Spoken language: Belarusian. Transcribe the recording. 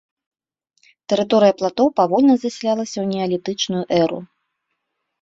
Тэрыторыя плато павольна засялялася ў неалітычную эру.